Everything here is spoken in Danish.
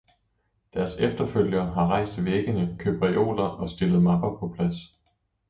Deres efterfølgere har rejst væggene, købt reoler og stillet mapper på plads.